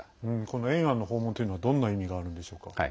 この延安の訪問というのはどんな意味があるんでしょうか？